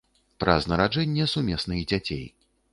Праз нараджэнне сумесных дзяцей.